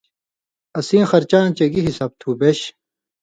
اسیں خرچاں چے گی حساب تُھو بیش